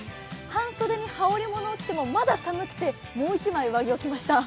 半袖に羽織り物を着ても、まだ寒くてもう一枚上着を着ました。